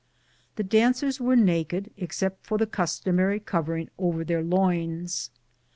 The dancers were naked, except for the customary covering over their loins.